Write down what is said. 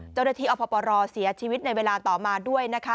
เจ้าหน้าที่อพปรเสียชีวิตในเวลาต่อมาด้วยนะคะ